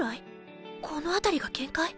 この辺りが限界？